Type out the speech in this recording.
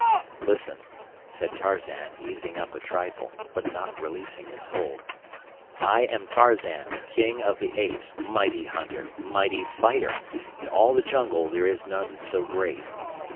"Listen," said Tarzan, easing up a trifle, but not releasing his hold. "I am Tarzan, King of the Apes, mighty hunter, mighty fighter. In all the jungle there is none so great.